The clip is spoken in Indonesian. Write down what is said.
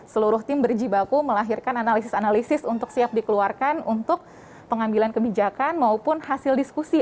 seluruh tim berjibaku melahirkan analisis analisis untuk siap dikeluarkan untuk pengambilan kebijakan maupun hasil diskusi